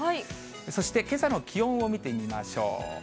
そしてけさの気温を見てみましょう。